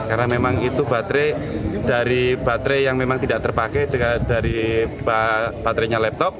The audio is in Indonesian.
karena memang itu baterai dari baterai yang memang tidak terpakai dari baterainya laptop